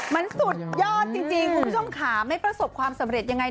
มันสุดยอดจริงคุณผู้ชมค่ะไม่ประสบความสำเร็จยังไง